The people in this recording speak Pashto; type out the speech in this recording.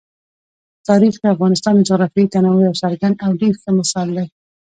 تاریخ د افغانستان د جغرافیوي تنوع یو څرګند او ډېر ښه مثال دی.